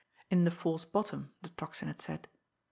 In the false bottom, the Tocsin had said.